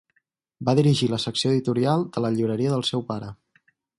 Va dirigir la secció editorial de la llibreria del seu pare.